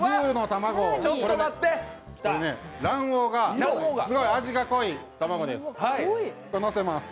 卵黄がすごく味が濃い卵です。